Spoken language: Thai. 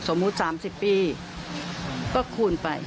สมมุติสามสิบปีก็คูณไป